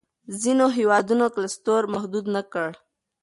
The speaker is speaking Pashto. ځینو هېوادونو کلسترول محدود نه کړ.